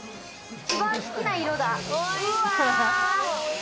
一番好きな色だ。